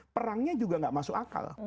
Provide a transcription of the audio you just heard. perangnya juga nggak masuk akal